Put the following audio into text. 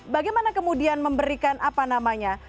bagaimana kemudian memberikan apa namanya